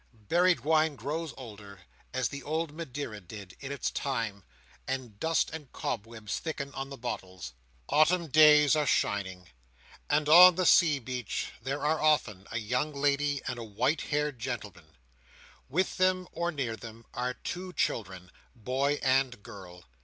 Buried wine grows older, as the old Madeira did, in its time; and dust and cobwebs thicken on the bottles. Autumn days are shining, and on the sea beach there are often a young lady, and a white haired gentleman. With them, or near them, are two children: boy and girl.